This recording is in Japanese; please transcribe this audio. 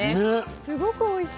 すごくおいしい。